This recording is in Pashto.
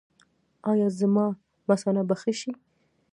ایا زما مثانه به ښه شي؟